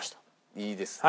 いいですね？